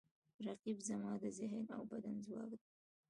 رقیب زما د ذهن او بدن ځواک دی